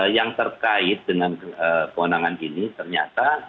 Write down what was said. yang terkait dengan kewenangan ini ternyata